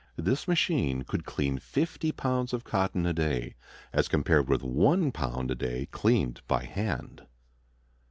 This machine could clean fifty pounds of cotton a day, as compared with one pound a day cleaned by hand.